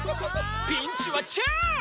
ピンチはチャンス！